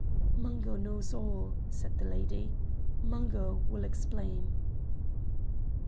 "Mungo knows all," said the lady; "Mungo will explain."